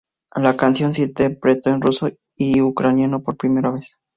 La canción se interpretó en ruso y ucraniano por primera vez.